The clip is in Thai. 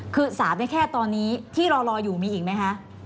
คือสารได้แค่ตอนนี้ที่รออยู่มีอีกไหมคะ